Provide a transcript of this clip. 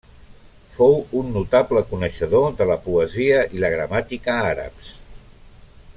Fou un notable coneixedor de la poesia i la gramàtica àrabs.